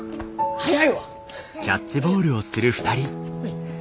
はい。